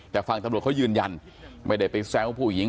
แต่ฝั่งตำรวจเขายืนยันไม่ได้ไปแซวผู้หญิง